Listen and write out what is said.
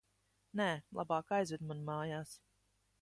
Nē, labāk aizved mani mājās.